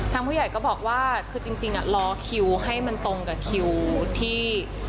ผู้ใหญ่ก็บอกว่าคือจริงรอคิวให้มันตรงกับคิวที่